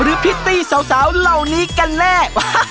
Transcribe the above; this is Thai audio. พิตตี้สาวเหล่านี้กันแน่